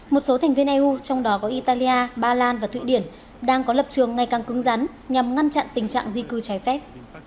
một số thành viên eu trong đó có italia ba lan và thụy điển đang có lập trường ngày càng cứng rắn nhằm ngăn chặn tình trạng di cư trái phép